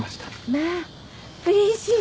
まあうれしい。